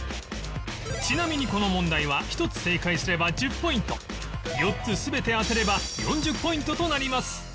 ちなみにこの問題は１つ正解すれば１０ポイント４つ全て当てれば４０ポイントとなります